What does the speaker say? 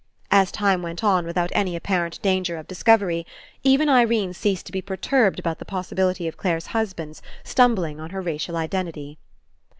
As time went on without any apparent danger of discovery, even Irene ceased to be perturbed about the possibiHty of Clare's hus band's stumbling on her racial identity.